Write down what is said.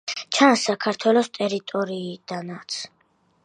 ჩანს საქართველოს ტერიტორიიდანაც.